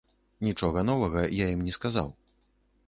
Нічога новага я ім не сказаў.